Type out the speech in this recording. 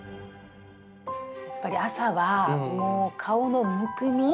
やっぱり朝はもう顔のむくみ？